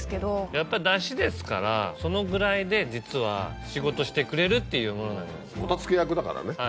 やっぱだしですからそのぐらいで実は仕事してくれるっていうもの。